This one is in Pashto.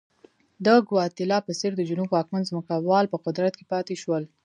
د ګواتیلا په څېر د جنوب واکمن ځمکوال په قدرت کې پاتې شول.